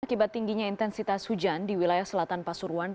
akibat tingginya intensitas hujan di wilayah selatan pasuruan